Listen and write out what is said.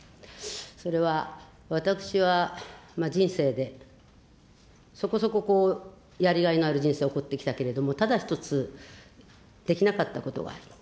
それは、私は人生で、そこそこやりがいのある人生を送ってきたけれども、ただ一つできなかったことがある。